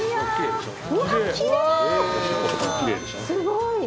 すごい。